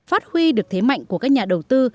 phát huy được thế mạnh của các nhà đầu tư